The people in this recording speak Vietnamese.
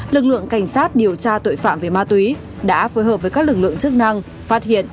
lực lượng cảnh sát điều tra tội phạm về ma túy đã phối hợp với các lực lượng chức năng phát hiện